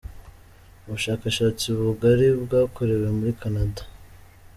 Ubushakashatsi bugari bwakorewe muri Canada.